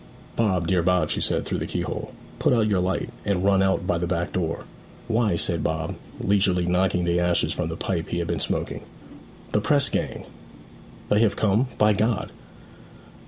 'Bob, dear Bob!' she said, through the keyhole. 'Put out your light, and run out of the back door!' 'Why?' said Bob, leisurely knocking the ashes from the pipe he had been smoking. 'The press gang!' 'They have come? By God!